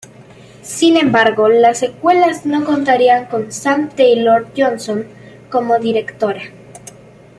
Sin embargo, las secuelas no contarían con Sam Taylor-Johnson como directora.